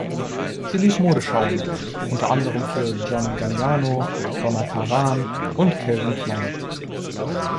Sie lief Modeschauen unter anderen für John Galliano, Donna Karan und Calvin Klein.